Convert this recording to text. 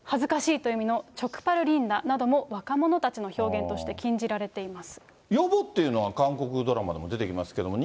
恥ずかしいという意味のチョクパルリンダなども、若者たちの表現として禁じられています。